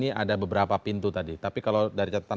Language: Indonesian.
jadi saya punya pemikiran